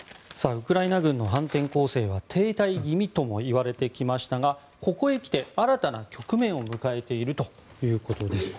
ウクライナ軍の反転攻勢は停滞気味ともいわれてきましたがここへ来て新たな局面を迎えているということです。